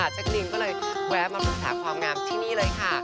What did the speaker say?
เจ๊กรีนก็เลยแวะมาปรึกษาความงามที่นี่เลยค่ะ